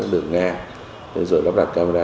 đường ngang lắp đặt camera